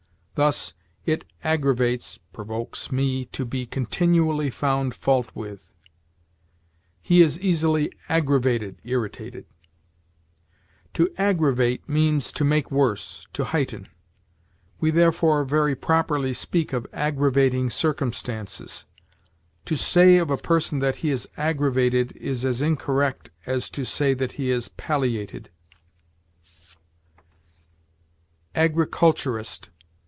Thus, "It aggravates [provokes] me to be continually found fault with"; "He is easily aggravated [irritated]." To aggravate means to make worse, to heighten. We therefore very properly speak of aggravating circumstances. To say of a person that he is aggravated is as incorrect as to say that he is palliated. AGRICULTURIST.